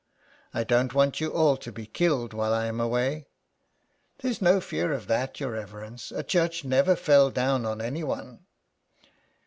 I don't want you all to be killed while I am away." " There's no fear of that, your reverence ; a church never fell down on anyone.